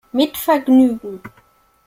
Mit Vergnügen!